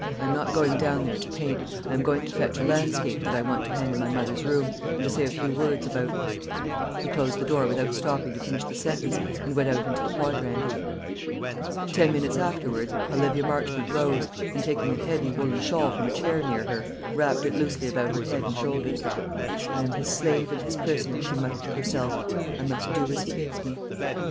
I am not going down there to paint; I am going to fetch a landscape that I want to hang in my mother's room, and to say a few words about " He closed the door without stopping to finish the sentence, and went out into the quadrangle. Ten minutes afterwards Olivia Marchmont rose, and taking a heavy woollen shawl from a chair near her, wrapped it loosely about her head and shoulders. "I am his slave and his prisoner," she muttered to herself. "I must do as he bids me."